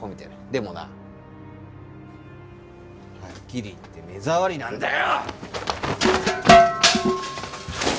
でもなはっきり言って目障りなんだよ！